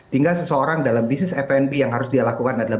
tinggal seseorang dalam bisnis fnp yang harus dia lakukan adalah